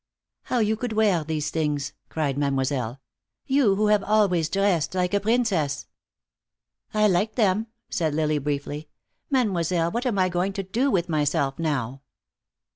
"How you could wear these things!" cried Mademoiselle. "You, who have always dressed like a princess!" "I liked them," said Lily, briefly. "Mademoiselle, what am I going to do with myself, now?"